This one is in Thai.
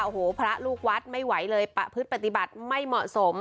โอ้โหพระลูกวัดไม่ไหวเลยประพฤติปฏิบัติไม่เหมาะสม